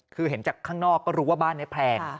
คือเห็นจากข้างนอกก็รู้ว่าบ้านนี้แพง